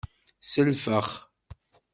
Selfex.